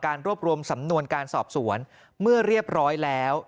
รวบรวมสำนวนการสอบสวนเมื่อเรียบร้อยแล้ว